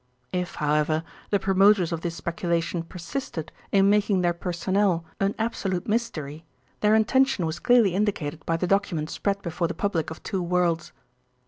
If, however, the promoters of this speculation persisted in making their personnel an absolute mystery, their intention was clearly indicated by the document spread before the public of two worlds.